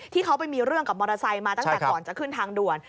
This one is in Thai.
ที่เขาไปมีเรื่องกับมอเตอร์ไซค์มาตั้งแต่ก่อนจะขึ้นทางด่วน